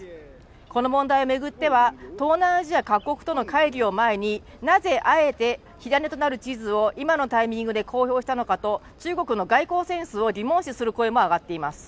この問題を巡っては東南アジア各国との会議を前になぜあえて火種となる地図を今のタイミングで公表したのかと中国の外交センスを疑問視する声も上がっています